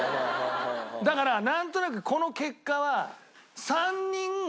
だからなんとなくこの結果は３人。